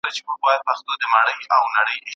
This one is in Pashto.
¬ د سپي په غپ پسي مه ځه.